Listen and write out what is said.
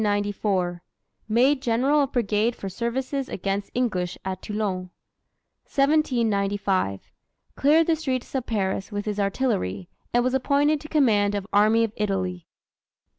Made general of brigade for services against English at Toulon. 1795. Cleared the streets of Paris with his artillery, and was appointed to command of Army of Italy.